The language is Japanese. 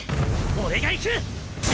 俺が行く！